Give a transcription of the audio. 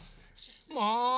もう！